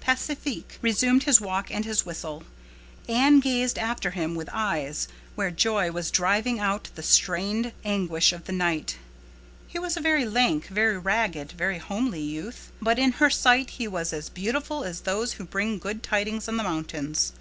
Pacifique resumed his walk and his whistle. Anne gazed after him with eyes where joy was driving out the strained anguish of the night. He was a very lank, very ragged, very homely youth. But in her sight he was as beautiful as those who bring good tidings on the mountains.